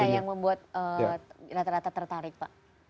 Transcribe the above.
apa yang saya kira yang membuat rata rata tertarik pak